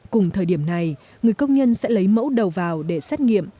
cùng thời điểm này người công nhân sẽ lấy mẫu đầu vào để xét nghiệm